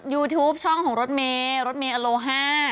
ยูทูปช่องของรถเมย์รถเมย์อโลห้า